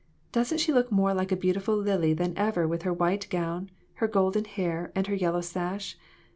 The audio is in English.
Doesn't she look more like a beautiful lily than ever with her white gown, her golden hair and her yellow sash